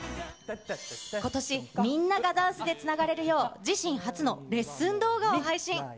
ことし、みんながダンスでつながれるよう、自身初のレッスン動画を配信。